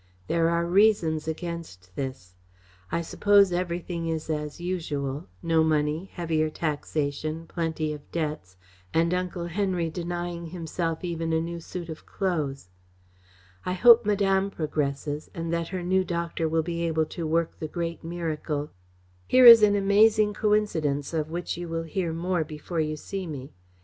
There are reasons against this. I suppose everything is as usual no money, heavier taxation, plenty of debts, and Uncle Henry denying himself even a new suit of clothes. I hope Madame progresses, and that her new doctor will be able to work the great miracle. Here is an amazing coincidence, of which you will hear more before you see me.